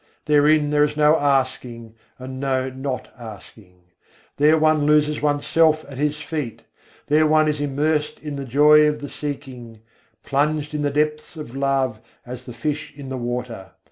Therein there is no asking and no not asking, There one loses one's self at His feet, There one is immersed in the joy of the seeking: plunged in the deeps of love as the fish in the water.